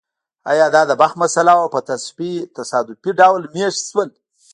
ایا دا د بخت مسئله وه او په تصادفي ډول مېشت شول